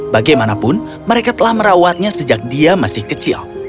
bagaimanapun mereka telah merawatnya sejak dia masih kecil